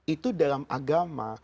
itu dalam agama